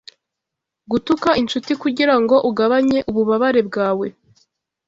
Gutuka inshuti kugirango ugabanye ububabare bwawe